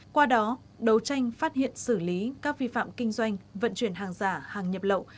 qua đó đấu tranh phát hiện xử lý các vi phạm kinh doanh vận chuyển hàng giả hàng nhập lậu